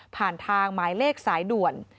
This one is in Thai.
ผ่านทางหมายเลขสายด่วน